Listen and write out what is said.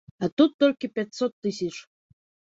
А тут толькі пяцьсот тысяч.